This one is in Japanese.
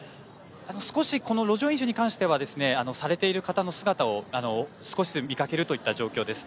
少し、この路上飲酒に関してはされている方の姿を少し見かけるといった状況です。